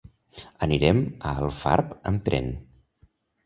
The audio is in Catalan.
Anirem a Alfarb amb tren.